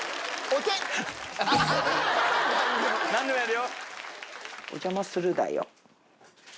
お邪魔するだよ。